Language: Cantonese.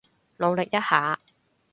努力一下